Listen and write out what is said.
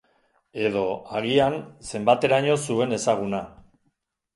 Edo, agian, zenbateraino zuen ezaguna.